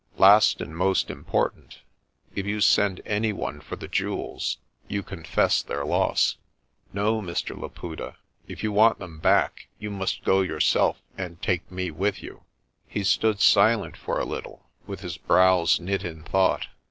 Last and most important, if you send any one for the jewels, you confess their loss. No, Mr. Laputa, if you want them back, you must go yourself and take me with you." He stood silent for a little, with his brows knit in thought.